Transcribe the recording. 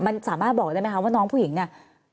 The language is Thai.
มันสามารถบอกได้ไหมคะว่าน้องผู้หญิงเนี่ย